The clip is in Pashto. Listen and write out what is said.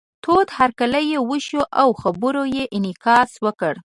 تود هرکلی یې وشو او خبرو یې انعکاس وکړ.